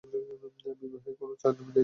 বিবাহের এখনো চার দিন দেরি আছে।